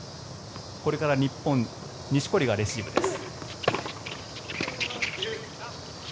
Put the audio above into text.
これから日本錦織がレシーブです。